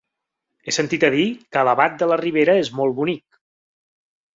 He sentit a dir que Albalat de la Ribera és molt bonic.